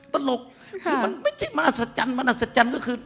ตลกคือมันไม่ใช่มหัศจรรย์มันอัศจรรย์ก็คือ